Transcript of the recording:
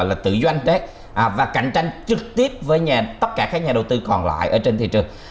là tự doanh và cạnh tranh trực tiếp với tất cả các nhà đầu tư còn lại ở trên thị trường